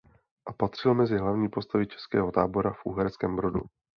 A patřil mezi hlavní postavy českého tábora v Uherském Brodu.